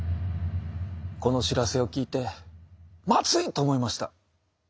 この知らせを聞いて「まずい！」と思いました。